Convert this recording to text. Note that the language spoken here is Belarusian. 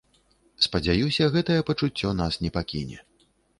Спадзяюся, гэтае пачуццё нас не пакіне.